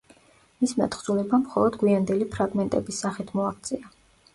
მისმა თხზულებამ მხოლოდ გვიანდელი ფრაგმენტების სახით მოაღწია.